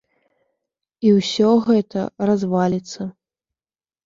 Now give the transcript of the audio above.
І ўсё гэта разваліцца.